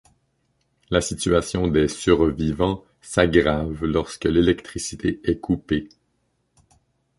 La situation des survivants s'aggrave lorsque l'électricité est coupée.